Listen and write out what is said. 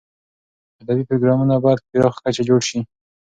ادبي پروګرامونه باید په پراخه کچه جوړ شي.